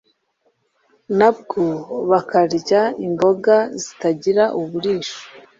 nabwo bakarya imboga zitagira uburisho